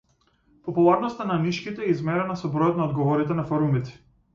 Популарноста на нишките е измерена со бројот на одговорите на форумите.